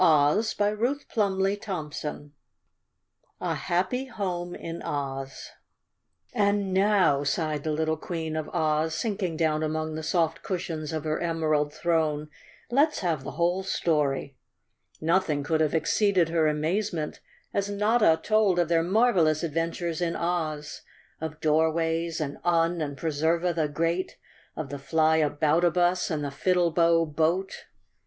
284 CHAPTER 22 A Happy Home in Oz " A ND now," sighed the little Queen of Oz, sinking down among the soft cushions of her emerald throne, "let's have the whole story 1" Nothing could have exceeded her amazement, as Notta told of their marvelous adventures in Oz—of Doorways and Un and Preserva the Great, of the Flyaboutabus and the Fiddlebow Boat.